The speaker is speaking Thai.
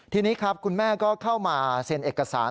ทีนี้ครับคุณแม่ก็เข้ามาเซ็นเอกสาร